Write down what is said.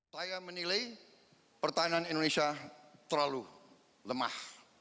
saya menilai pertahanan indonesia terlalu lemah